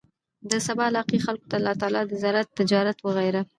د سبا علاقې خلکو ته الله تعالی د زراعت، تجارت وغيره